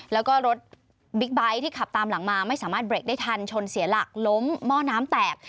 แล้วก็รถบิ๊กไบท์ที่ขับตามหลังมาไม่สามารถเบรกได้ทันชนเสียหลักล้มหม้อน้ำแตก